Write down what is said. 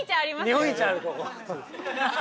◆日本一ある、ここ。